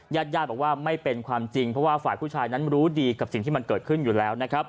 ญาติญาติบอกว่าไม่เป็นความจริงเพราะว่าฝ่ายผู้ชายนั้นรู้ดีกับสิ่งที่มันเกิดขึ้นอยู่แล้วนะครับ